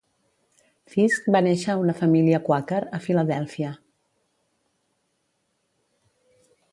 Fisk va néixer a una família quàquer, a Filadèlfia.